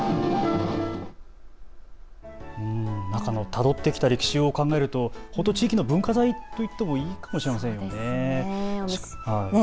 たどってきた歴史を考えると本当に地域の文化財と言ってもいいかもしれませんね。